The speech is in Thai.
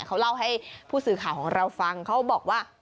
เขาเล่าให้ผู้สื่อข่าวของเราฟังเขาบอกว่า